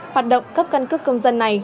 hoạt động cấp căn cước công dân này